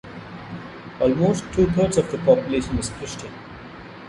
Almost two-thirds of the population is Christian.